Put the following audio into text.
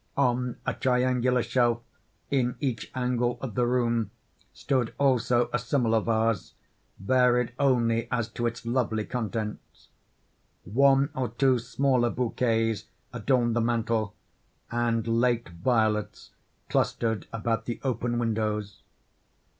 On a triangular shelf in each angle of the room stood also a similar vase, varied only as to its lovely contents. One or two smaller bouquets adorned the mantel, and late violets clustered about the open windows.